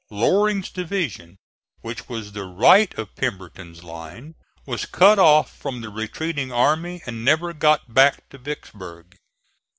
Loring's division, which was the right of Pemberton's line, was cut off from the retreating army and never got back into Vicksburg.